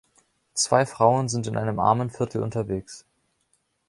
zwei Frauen sind in einem Armenviertel unterwegs.